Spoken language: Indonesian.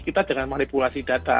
kita jangan manipulasi data